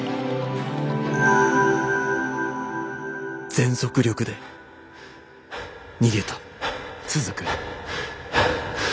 「全速力で逃げた」。